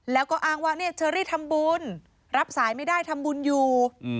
แล้วก็อ้างว่าเนี่ยเชอรี่ทำบุญรับสายไม่ได้ทำบุญอยู่